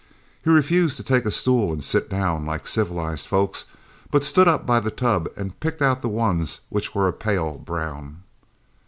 He refused to take a stool and sit down like civilized folks, but stood up by the tub and picked out the ones which were a pale brown.